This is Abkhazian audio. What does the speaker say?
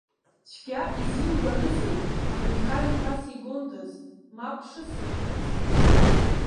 Цәгьа изимбарызеи, аҳәынҭқар иԥа сигондаз, мап шысымкрыз.